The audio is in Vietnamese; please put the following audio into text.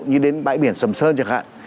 như đến bãi biển sầm sơn chẳng hạn